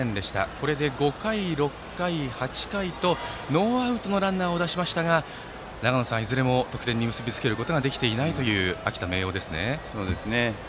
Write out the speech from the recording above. これで５回、６回、８回とノーアウトのランナーを出しましたが長野さん、いずれも得点に結び付けられていないという秋田・明桜ですね。